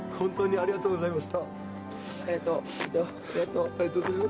ありがとうございます。